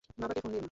বাবাকে ফোন দিও না।